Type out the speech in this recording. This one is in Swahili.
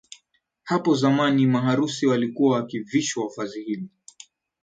Hapo zamani maharusi walikuwa wakivishwa vazi hili